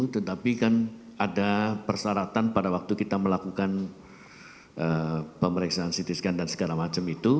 tetapi kan ada persyaratan pada waktu kita melakukan pemeriksaan ct scan dan segala macam itu